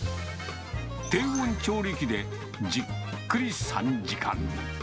低温調理機でじっくり３時間。